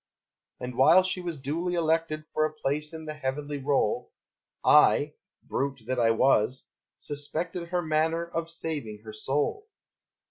And while she was duly elected For place in the heavenly roll, I (brute that I was!) suspected Her manner of saving her soul.